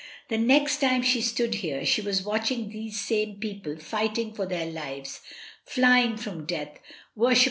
The next time she stood here, she was watching these same people fight ing for their lives, flying from death — worship